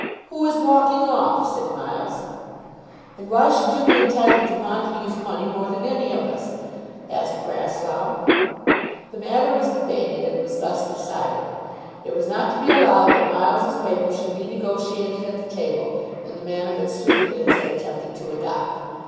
"Who is walking off?" said Miles. "And why should you be entitled to Montague's money more than any of us?" asked Grasslough. The matter was debated, and was thus decided. It was not to be allowed that Miles's paper should be negotiated at the table in the manner that Sir Felix had attempted to adopt.